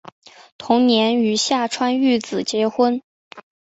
同年与下川玉子结婚。